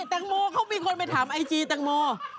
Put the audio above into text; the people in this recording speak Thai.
แตงโมเขามีคนไปถามไอจีแตงโม